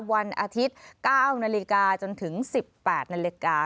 วันอาทิตย์๙นาฬิกาจนถึง๑๘นาฬิกา